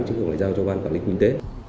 chứ không phải giao cho ban quản lý khu kinh tế